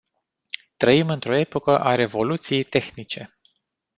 Trăim într-o epocă a revoluției tehnice.